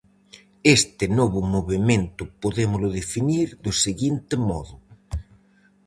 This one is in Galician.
Este novo movemento podémolo definir do seguinte modo: